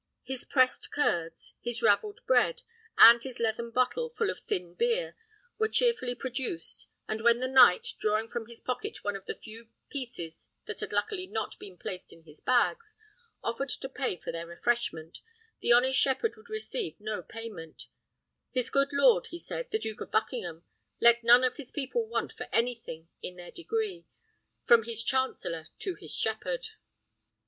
His pressed curds, his raveled bread, and his leathern bottle, full of thin beer, were cheerfully produced; and when the knight, drawing from his pocket one of the few pieces that had luckily not been placed in his bags, offered to pay for their refreshment, the honest shepherd would receive no payment; his good lord, he said, the Duke of Buckingham, let none of his people want for anything in their degree, from his chancellor to his shepherd.